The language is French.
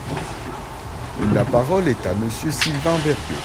La parole est à Monsieur Sylvain Berrios.